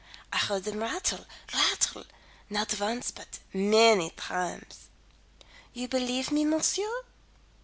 I heard them rattle, rattle, not once but many times. You believe me, monsieur?"